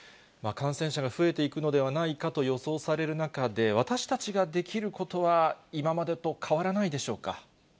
感染者が増えていくのではないかと予想される中で、私たちができることは今までと変わらないでしょうか。